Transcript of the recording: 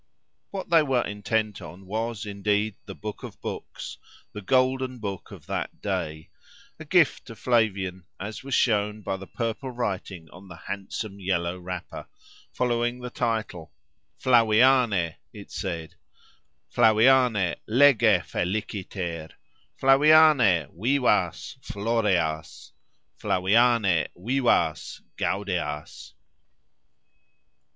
What they were intent on was, indeed, the book of books, the "golden" book of that day, a gift to Flavian, as was shown by the purple writing on the handsome yellow wrapper, following the title Flaviane!—it said, Flaviane! lege Felicitur! Flaviane! Vivas! Fioreas! Flaviane! Vivas! Gaudeas!